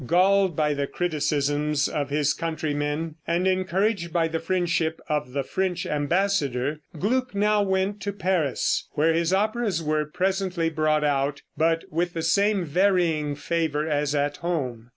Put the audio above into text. Galled by the criticisms of his countrymen, and encouraged by the friendship of the French ambassador, Gluck now went to Paris, where his operas were presently brought out, but with the same varying favor as at home.